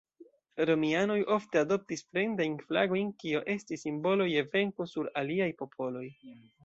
Romianoj ofte adoptis fremdajn flagojn, kio estis simbolo je venko sur aliaj popoloj.